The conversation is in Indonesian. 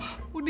udah aku udah